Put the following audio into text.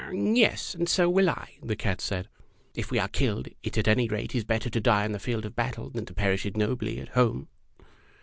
"Yes, and so will I," the cat said. "If we are killed, it at any rate is better to die on the field of battle than to perish ignobly at home."